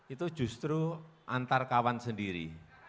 itu justru antar kawan sendiri